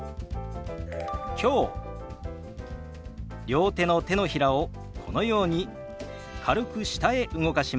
両手の手のひらをこのように軽く下へ動かします。